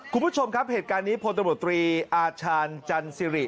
คุณผู้ชมครับเหตุการณ์นี้พตอาจารย์จันทร์ซิริ